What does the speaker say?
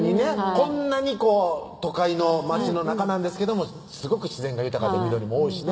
こんなに都会の街の中なんですけどもすごく自然が豊かで緑も多いしね